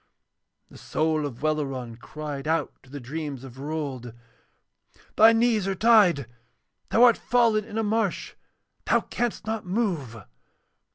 And the soul of Welleran cried out to the dreams of Rold: 'Thy knees are tied! Thou art fallen in a marsh! Thou canst not move.'